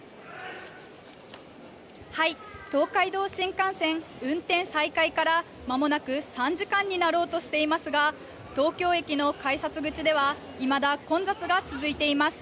東海道新幹線運転再開からまもなく３時間になろうとしていますが、東京駅の改札口では、いまだ混雑が続いています。